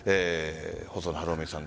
細野晴臣さん